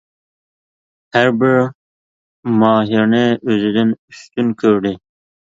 ھەر بىر ماھىرنى ئۆزىدىن ئۈستۈن كۆردى.